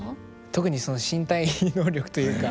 特にその身体能力というか。